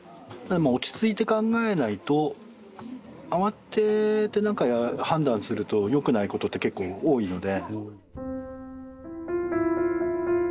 落ち着いて考えないと慌ててなんか判断すると良くないことって結構多いので。